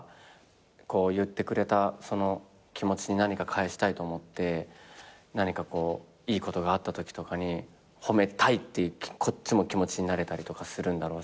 言ってくれた気持ちに何か返したいと思って何かいいことがあったときとかに褒めたいってこっちも気持ちになれたりとかするんだろうし。